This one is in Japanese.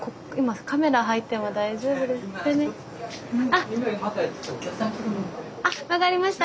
あっあっ分かりました。